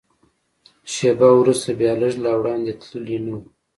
شېبه وروسته بیا، لږ لا وړاندې تللي نه و.